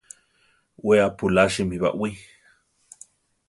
We apulásimi baʼwí.